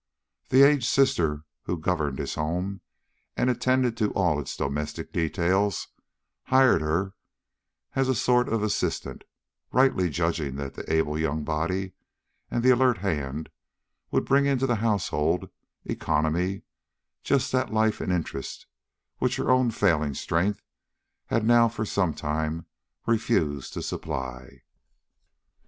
The aged sister who governed his home and attended to all its domestic details, hired her as a sort of assistant, rightly judging that the able young body and the alert hand would bring into the household economy just that life and interest which her own failing strength had now for some time refused to supply.